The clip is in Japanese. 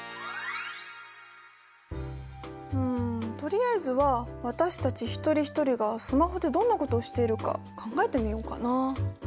うんとりあえずは私たち一人一人がスマホでどんなことしているか考えてみようかな。